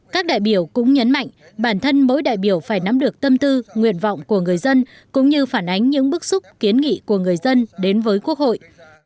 các đại biểu cũng nhấn mạnh bản thân mỗi đại biểu phải nắm được tâm tư nguyện vọng của người dân cũng như phản ánh những bức xúc kiến nghị của người dân đến với quốc hội